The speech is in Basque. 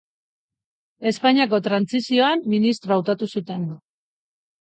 Espainiako trantsizioan ministro hautatu zuten.